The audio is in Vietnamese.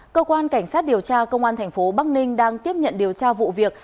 cơ quan cảnh sát điều tra công an thành phố bắc ninh đang tiếp nhận điều tra vụ việc